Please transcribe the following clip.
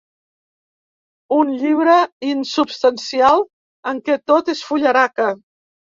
Un llibre insubstancial, en què tot és fullaraca.